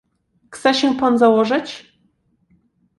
"Chce się pan założyć."